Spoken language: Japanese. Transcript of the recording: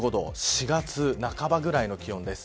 ４月半ばぐらいの気温です。